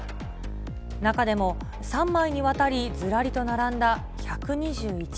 中でも、３枚にわたりずらりと並んだ１２１人。